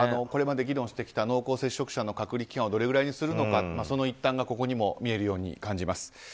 これまで議論してきた濃厚接触者の隔離期間をどれぐらいにするのかその一端がここにも見えるように感じます。